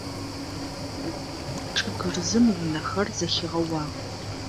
ЧӀыгырзым унэхэр зэхигъэуагъ.